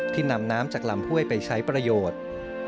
นำน้ำจากลำห้วยไปใช้ประโยชน์